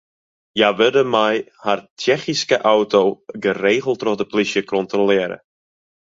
Hja wurde mei har Tsjechyske auto geregeld troch de plysje kontrolearre.